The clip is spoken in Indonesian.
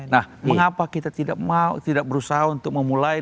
nah mengapa kita tidak berusaha untuk memulai